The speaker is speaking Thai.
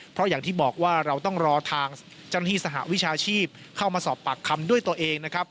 เพราะอย่างที่บอกว่าเราต้องรอทางเจ้าหน้าที่สหวิชาชีพเข้ามาสอบปากคำด้วยตัวเองนะครับ